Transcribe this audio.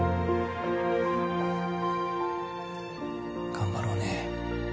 頑張ろうね。